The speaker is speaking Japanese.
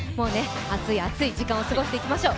熱い熱い時間を過ごしていきましょう。